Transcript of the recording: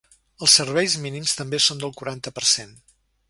Els serveis mínims també són del quaranta per cent.